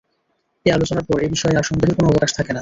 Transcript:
এ আলোচনার পর এ বিষয়ে আর সন্দেহের কোন অবকাশ থাকে না।